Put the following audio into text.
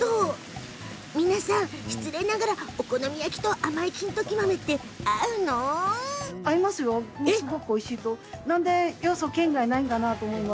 皆さん、失礼ながらお好み焼きと甘い金時豆って合うのかしら？